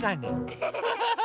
アハハハ！